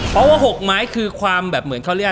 เพราะว่า๖ไม้คือความแบบเหมือนเขาเรียก